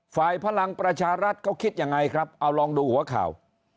พลังประชารัฐเขาคิดยังไงครับเอาลองดูหัวข่าว